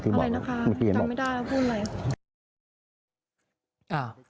อะไรนะคะทำไม่ได้แล้วพูดเลย